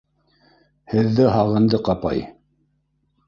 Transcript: — Һеҙҙе һағындыҡ, апай!